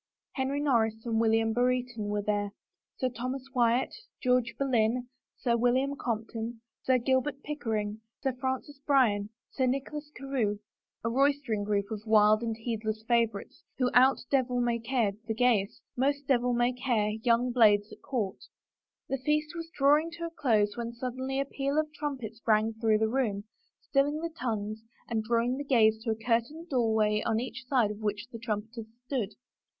Henry Nor ris and William Brereton were there, Sir Thomas Wyatt, George Boleyn, Sir William Compton, Sir Gilbert Pick ering, Sir Francis Bryan, Sir Nicholas Carewe — a rois tering group of wild and heedless favorites who out devil may cared the gayest, most devil may care young blades at court. The feast was drawing to a close when suddenly a peal of trumpets rang through the room, stilling the tongues and drawing the gaze to a curtained doorway on each side of which the tnmipeters stood.